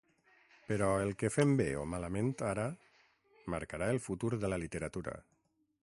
Però el que fem bé o malament ara marcarà el futur de la literatura.